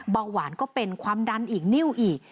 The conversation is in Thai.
เบาหวานก็เป็นความดันอีกนิ้วอีก